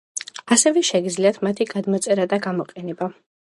ასევე შეგიძლიათ მათი გადმოწერა და გამოყენება.